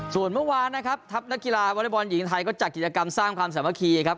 ส่วนเมื่อวานนะครับทัพนักกีฬาวอเล็กบอลหญิงไทยก็จัดกิจกรรมสร้างความสามัคคีครับ